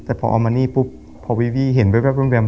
แต่พอเอามานี่ปุ๊บพอวี่เห็นแว๊บ